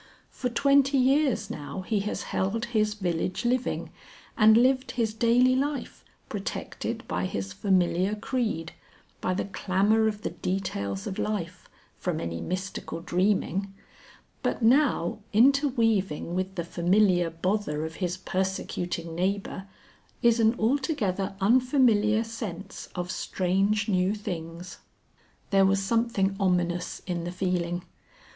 For twenty years now he has held his village living and lived his daily life, protected by his familiar creed, by the clamour of the details of life, from any mystical dreaming. But now interweaving with the familiar bother of his persecuting neighbour, is an altogether unfamiliar sense of strange new things. There was something ominous in the feeling.